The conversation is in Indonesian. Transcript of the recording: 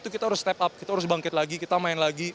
kita harus step up kita harus bangkit lagi kita main lagi